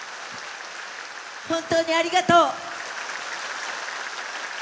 本当にありがとう。